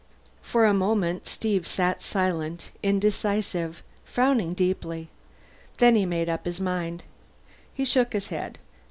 For a moment Steve sat silent, indecisive, frowning deeply. Then he made up his mind. He shook his head.